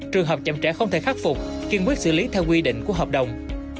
trường hợp chậm trẻ không thể khắc phục kiên quyết xử lý theo quy định của hợp đồng